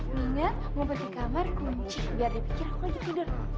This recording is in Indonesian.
minyak mau pergi kamar kunci biar dia pikir aku lanjut tidur